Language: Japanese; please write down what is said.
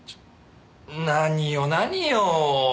何よ何よ。